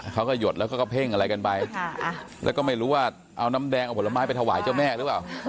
เขาก็หยดแล้วก็เพ่งอะไรกันไปแล้วก็ไม่รู้ว่าเอาน้ำแดงเอาผลไม้ไปถวายเจ้าแม่หรือเปล่า